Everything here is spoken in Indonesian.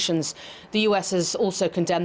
tni juga menghukum peluncuran ini